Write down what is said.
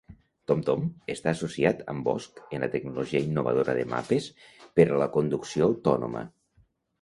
TomTom està associat amb Bosch en la tecnologia innovadora de mapes per a la conducció autònoma.